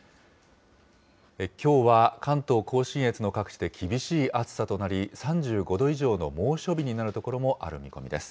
きょうは関東甲信越の各地で厳しい暑さとなり、３５度以上の猛暑日になる所もある見込みです。